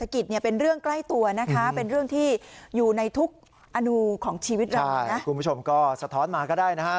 คุณผู้ชมก็สะท้อนมาก็ได้นะฮะ